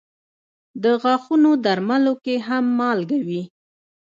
د غاښونو درملو کې هم مالګه وي.